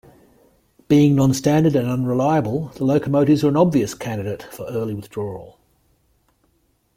Being non-standard and unreliable, the locomotives were an obvious candidate for early withdrawal.